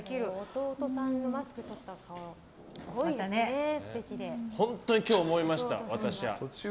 弟さんのマスクとった顔も本当に今日、思いました。